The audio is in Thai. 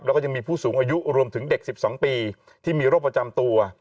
แล้วก็ยังมีผู้สูงอายุรวมถึงเด็ก๑๒ปีที่มีโรคประจำตัว